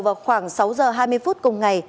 vào khoảng sáu h hai mươi phút cùng ngày